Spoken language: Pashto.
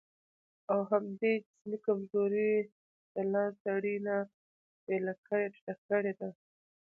او همدې جسمي کمزورۍ دا له سړي نه بېله کړې او ټيټه کړې ده.